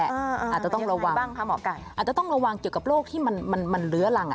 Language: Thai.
อาจจะต้องระวังอาจจะต้องระวังเกี่ยวกับโรคที่มันเหลือรัง